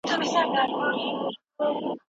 او د ادم له لپو تویې شول غنم قابیله!